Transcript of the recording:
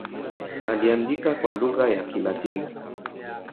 Aliandika kwa lugha ya Kilatini.